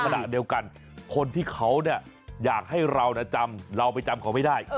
ขณะเดียวกันคนที่เขาเนี่ยอยากให้เราจำเราไปจำเขาไม่ได้